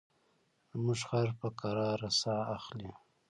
زموږ خر په کراره ساه اخلي.